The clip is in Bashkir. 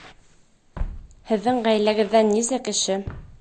Һеҙҙең ғаиләгеҙҙә нисә кеше?